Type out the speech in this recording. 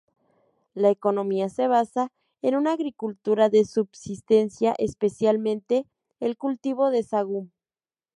La economía se basa en una agricultura de subsistencia, especialmente el cultivo de sagú.